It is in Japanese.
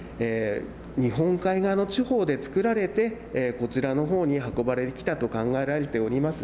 日本海側の地方で作られてこちらの方に運ばれてきたと考えられております。